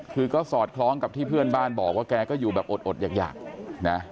คือก็สอดคล้องกับที่เพื่อนบ้านบอกว่าแกก็อยู่แบบอดอยากนะ